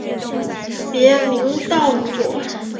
别名道佑。